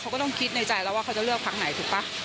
เขาก็ต้องคิดในใจแล้วว่าเขาจะเลือกพักไหนถูกป่ะ